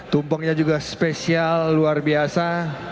tumpengnya juga spesial luar biasa